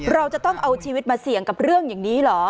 เราจะต้องเอาชีวิตมาเสี่ยงกับเรื่องอย่างนี้เหรอ